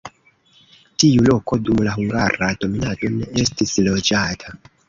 Tiu loko dum la hungara dominado ne estis loĝata.